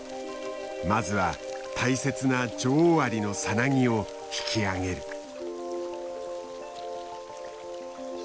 まずは大切な女王アリのさなぎを引き上げる。